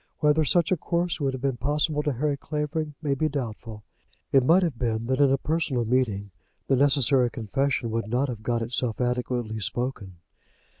Whether such a course would have been possible to Harry Clavering may be doubtful. It might have been that in a personal meeting the necessary confession would not have got itself adequately spoken.